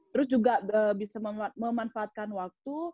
terus juga bisa memanfaatkan waktu